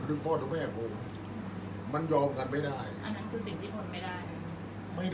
อันไหนที่มันไม่จริงแล้วอาจารย์อยากพูด